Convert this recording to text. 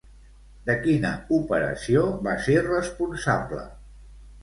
De quina operació va ser responsable?